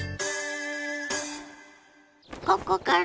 ここから？